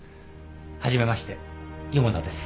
初めまして四方田です。